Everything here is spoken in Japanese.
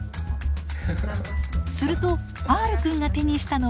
するとＲくんが手にしたのはゲーム。